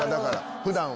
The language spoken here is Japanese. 普段は。